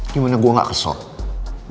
gimana gua ga kesot